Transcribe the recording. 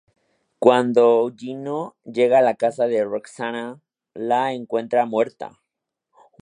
Cuando Gino llega a la casa de Roxanne, la encuentra muerta.